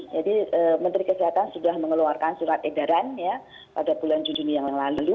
jadi menteri kesehatan sudah mengeluarkan surat edaran ya pada bulan juni yang lalu